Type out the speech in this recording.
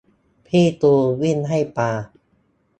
พี่ตูนวิ่งให้ปลา